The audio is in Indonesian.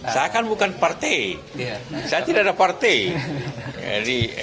saya kan bukan partai saya tidak ada partai